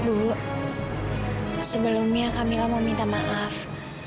ibu sebelumnya kamila mau minta maaf